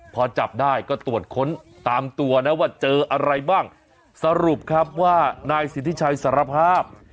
พอจับได้ก็ตรวจค้นตามตัวนะว่าเจออะไรบ้างสรุปครับว่านายสิทธิชัยสารภาพ